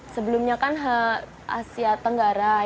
sebelumnya kan asia tenggara